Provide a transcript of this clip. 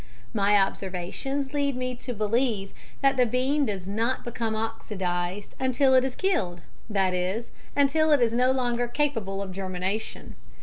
My observations lead me to believe that the bean does not become oxidised until it is killed, that is, until it is no longer capable of germination.